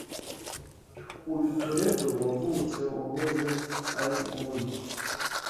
Uyu Toledo wavutse wahoze ari Buni